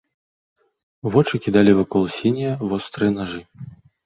Вочы кідалі вакол сінія вострыя нажы.